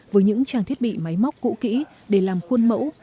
với những trang thiết bị máy móc cũ kỹ để làm khuôn mẫu